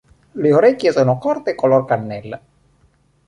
Le orecchie sono corte e color cannella.